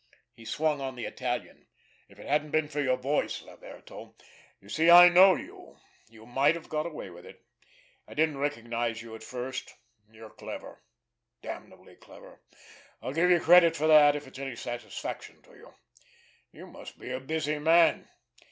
He swung on the Italian. "If it hadn't been for your voice, Laverto—you see, I know you—you might have got away with it. I didn't recognize you at first. You're clever, damnably clever, I'll give you credit for that, if it's any satisfaction to you. You must be a busy man!